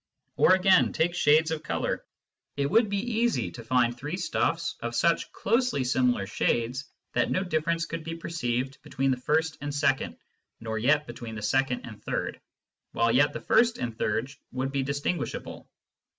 Or, again, take shades of colour. It would be easy to find three stuffs of such closely similar shades that no difference could be perceived between the first and second, nor yet between the second and third, while yet the first and third would be distinguishable.